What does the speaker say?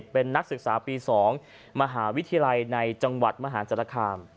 เป็นนักศึกษาปี๒มหาวิทยาลัยในจังหวัดมหาศาลคาม